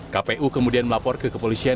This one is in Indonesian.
kpu kemudian melapor ke kepolisian